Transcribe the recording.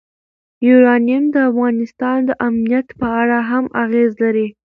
یورانیم د افغانستان د امنیت په اړه هم اغېز لري.